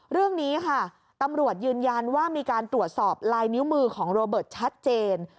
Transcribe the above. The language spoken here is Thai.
เรื่องนี้ค่ะตำรวจยืนยันว่ามีการตรวจสอบลายนิ้วมือของโรเบิร์ตชัดเจน